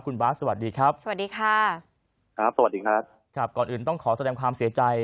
คุณบาทสวัสดีครับสวัสดีค่ะครับสวัสดีครับครับก่อนอื่นต้องขอแสดงความเสียใจ